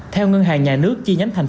theo ngân hàng nhà nước chi nhánh tp hcm